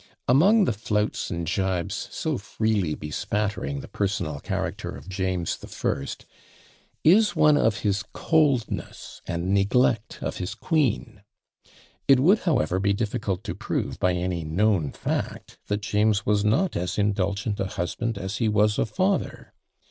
Among the flouts and gibes so freely bespattering the personal character of James the First, is one of his coldness and neglect of his queen. It would, however, be difficult to prove by any known fact that James was not as indulgent a husband as he was a father.